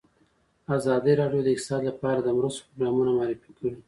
ازادي راډیو د اقتصاد لپاره د مرستو پروګرامونه معرفي کړي.